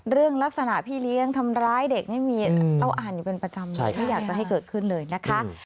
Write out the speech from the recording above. เรื่องลักษณะพี่เลี้ยงทำร้ายเด็กนี่มีเราอ่านอยู่เป็นประจำเลยไม่อยากจะให้เกิดขึ้นเลยนะคะ